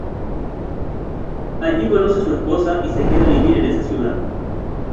Allí conoce a su esposa y se queda a vivir en esa ciudad.